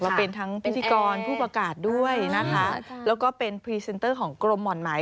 ว่าเป็นทั้งพิธีกรผู้ประกาศด้วยนะคะแล้วก็เป็นพรีเซนเตอร์ของกรมหม่อนหมาย